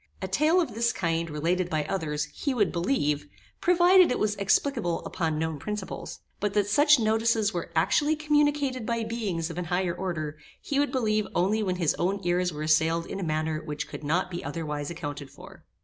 A tale of this kind, related by others, he would believe, provided it was explicable upon known principles; but that such notices were actually communicated by beings of an higher order, he would believe only when his own ears were assailed in a manner which could not be otherwise accounted for.